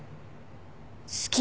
好き。